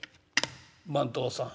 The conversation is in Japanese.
「番頭さん